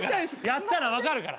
やったら分かるから。